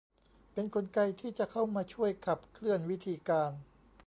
เป็นกลไกที่จะเข้ามาช่วยขับเคลื่อนวิธีการ